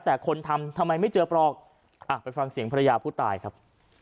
แต่คนทำทำไมไม่เจอปลอกอ่ะไปฟังเสียงภรรยาผู้ตายครับ